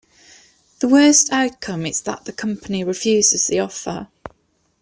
The worst outcome is that the company refuses the offer.